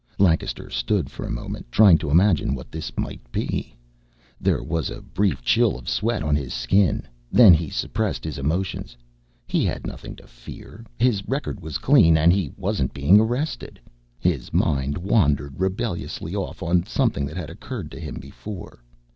Lancaster stood for a moment, trying to imagine what this might be. There was a brief chill of sweat on his skin. Then he suppressed his emotions. He had nothing to fear. His record was clean and he wasn't being arrested. His mind wandered rebelliously off on something that had occurred to him before.